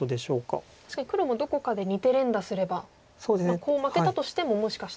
確かに黒もどこかで２手連打すればコウを負けたとしてももしかしたら。